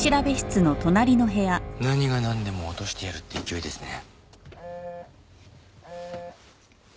何がなんでも落としてやるって勢いですね。